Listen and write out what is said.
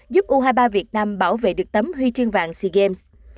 giúp u hai mươi ba việt nam bảo vệ được tấm huy chương vàng sea games